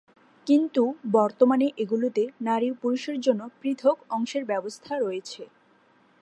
কিন্তু বর্তমানে এগুলোতে নারী ও পুরুষের জন্য পৃথক অংশের ব্যবস্থা রয়েছে।